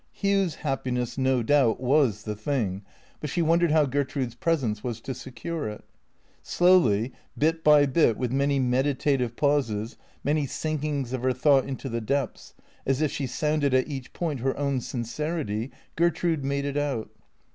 Hugh's happiness, no doubt, was the thing; but she wondered how Ger trude's presence was to secure it. Slowly, bit by bit, with many meditative pauses, many sink ings of her thought into the depths, as if she sounded at each point her own sincerity, Gertrude made it out.